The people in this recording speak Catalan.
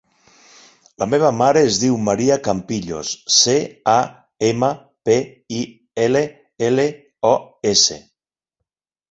La meva mare es diu Maria Campillos: ce, a, ema, pe, i, ela, ela, o, essa.